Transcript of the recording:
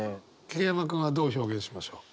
桐山君はどう表現しましょう？